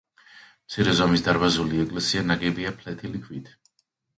მცირე ზომის დარბაზული ეკლესია, ნაგებია ფლეთილი ქვით.